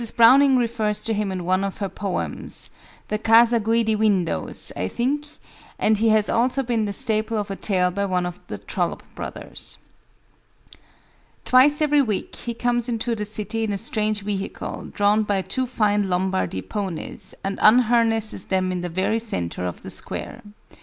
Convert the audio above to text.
Browning refers to him in one of her poems the "Casa Guidi Windows," I think and he has also been the staple of a tale by one of the Trollope brothers. Twice every week, he comes into the city in a strange vehicle, drawn by two fine Lombardy ponies, and unharnesses them in the very centre of the square.